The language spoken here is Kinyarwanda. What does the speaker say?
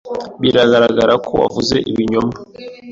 Biragaragara ko wavuze ibinyoma.